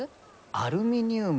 アルミニウム。